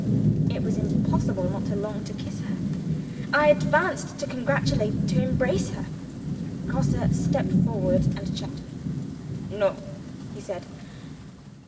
It was impossible not to long to kiss her. I advanced to congratulate, to embrace her. Grosse stepped forward, and checked me. "No," he said.